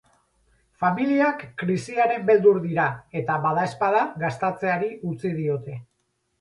Familiak krisiaren beldur dira eta, badaezpada, gastatzeari utzi diote.